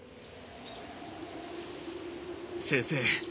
先生